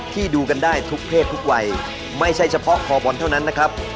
ดูกันได้ทุกเพศทุกวัยไม่ใช่เฉพาะคอบอลเท่านั้นนะครับ